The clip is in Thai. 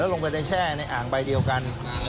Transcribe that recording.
ลงไปในแช่ในอ่างใบเดียวกัน